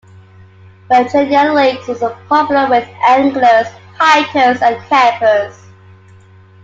Virginia Lakes is popular with anglers, hikers, and campers.